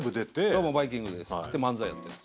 「どうもバイキングです」って漫才やった。